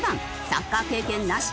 サッカー経験なし。